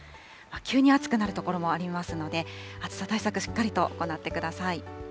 急に暑くなる所もありますので、暑さ対策、しっかりと行ってください。